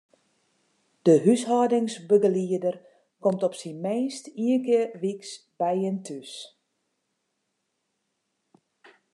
De húshâldingsbegelieder komt op syn minst ien kear wyks by jin thús.